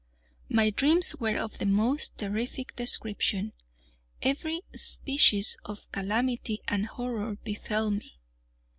My dreams were of the most terrific description. Every species of calamity and horror befell me.